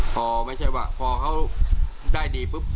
พอเขาได้ดีปุ๊บ